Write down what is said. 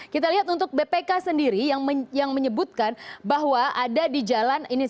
kita lihat untuk bpk sendiri yang menyebutkan bahwa ada di jalan ini